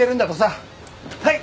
はい！